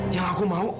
yang aku mau